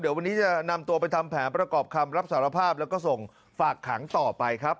เดี๋ยววันนี้จะนำตัวไปทำแผนประกอบคำรับสารภาพแล้วก็ส่งฝากขังต่อไปครับ